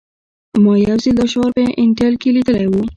ما یو ځل دا شعار په انټیل کې لیدلی و